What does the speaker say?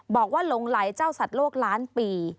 หลงไหลเจ้าสัตว์โลกล้านปี